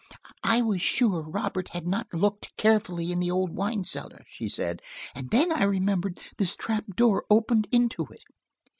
"I was sure Robert had not looked carefully in the old wine cellar," she said. "and then I remembered this trap door opened into it.